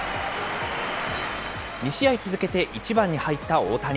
２試合続けて１番に入った大谷。